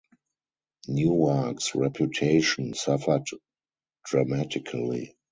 Newark's reputation suffered dramatically.